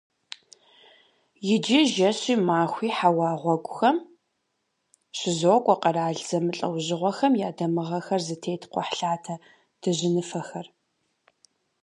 Иджы жэщи махуи хьэуа гъуэгухэм щызокӏуэ къэрал зэмылӏэужьыгъуэхэм я дамыгъэхэр зытет кхъухьлъатэ дыжьыныфэхэр.